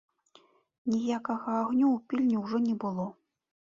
Ніякага агню ў пільні ўжо не было.